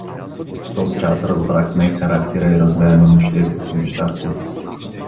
Тозчас разбрахме характера и размера на нощесното нещастие.